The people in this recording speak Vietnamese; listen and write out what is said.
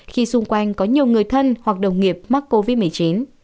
khi xung quanh có nhiều người thân hoặc đồng nghiệp mắc covid một mươi chín